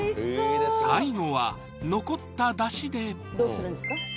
最後は残った出汁でどうするんですか？